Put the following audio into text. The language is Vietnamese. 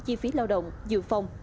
chi phí lao động dự phòng